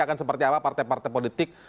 akan seperti apa partai partai politik